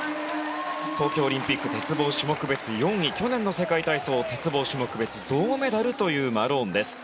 東京オリンピック鉄棒種目別４位去年の世界体操、鉄棒種目別銅メダルというマローンです。